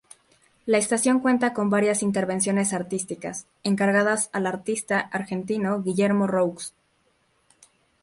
La estación cuenta con varias intervenciones artísticas, encargadas al artista argentino Guillermo Roux.